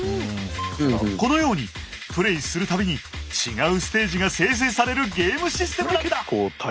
このようにプレイする度に違うステージが生成されるゲームシステムなんだ。